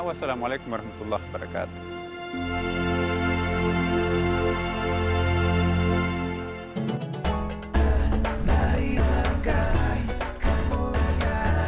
wassalamualaikum warahmatullahi wabarakatuh